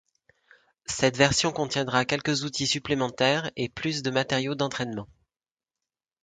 Cette version contiendra quelques outils supplémentaires et plus de matériau d'entrainement.